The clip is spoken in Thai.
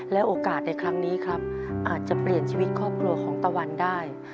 โอกาสในครั้งนี้ครับอาจจะเปลี่ยนชีวิตครอบครัวของตะวันได้